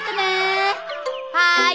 はい。